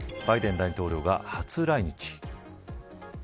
バイデン大統領が初来日。